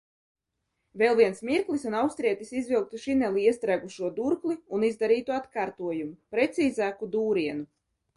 Vēl viens mirklis un austrietis izvilktu šinelī iestrēgušo durkli, un izdarītu atkārtojumu, precīzāku dūrienu.